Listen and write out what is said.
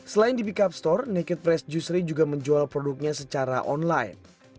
selain di pickup store naked fresh juicery juga menjual produknya secara online